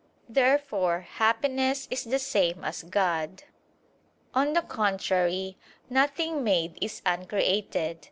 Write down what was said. Therefore happiness is the same as God. On the contrary, Nothing made is uncreated.